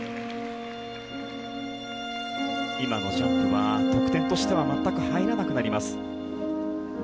今のジャンプは得点としては入らなくなります。